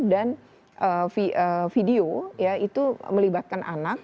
dan video ya itu melibatkan anak